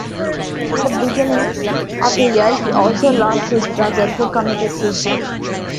In the beginning of the year he also lost his brother, who committed suicide.